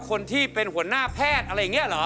คนที่เป็นหัวหน้าแพทย์อะไรอย่างนี้เหรอ